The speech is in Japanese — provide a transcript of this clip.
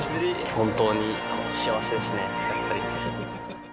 本当に幸せですね。